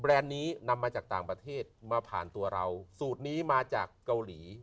นี้นำมาจากต่างประเทศมาผ่านตัวเราสูตรนี้มาจากเกาหลี